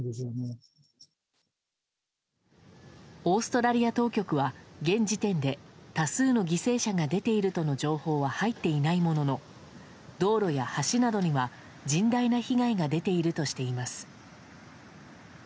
オーストラリア当局は現時点で、多数の犠牲者が出ているとの情報は入っていないものの道路や橋などには甚大な被害が出ているとしています。